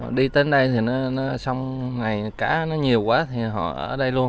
họ đi đến đây xong ngày cá nhiều quá thì họ ở đây luôn